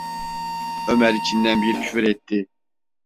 Ömer içinden bir küfür etti.